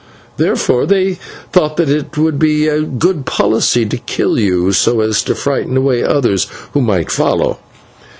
Therefore they thought that it would be good policy to kill you so as to frighten away others who might follow.